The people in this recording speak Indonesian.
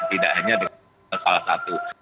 tidak hanya dengan salah satu